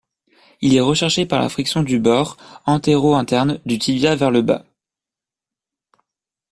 Il est recherché par la friction du bord antéro-interne du tibia vers le bas.